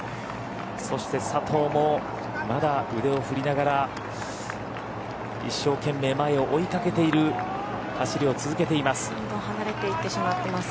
そして佐藤もまだ腕を振りながら一生懸命、前を追いかけている走りを続けています。